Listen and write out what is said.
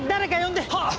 はっ！